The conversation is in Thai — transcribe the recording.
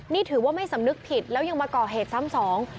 นี่ถือว่าไม่สำนึกผิดแล้วยังมาก่อเหตุซ้ำสอง